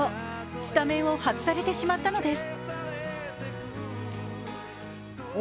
スタメンを外されてしまったのです。